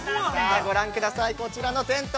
ご覧ください、こちらのテント。